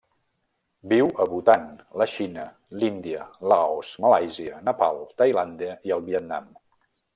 Viu a Bhutan, la Xina, l'Índia, Laos, Malàisia, Nepal, Tailàndia i el Vietnam.